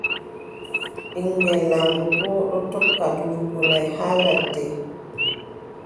Ɓiŋngel laamɗo boo ɗon tokka durugo naʼi haa ladde.